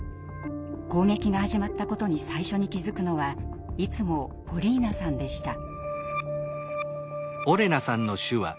攻撃が始まったことに最初に気付くのはいつもポリーナさんでした。